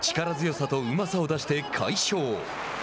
力強さとうまさを出して快勝。